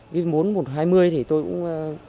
với vốn một trăm hai mươi thì tôi cũng